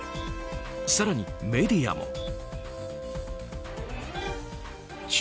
更に、メディアも。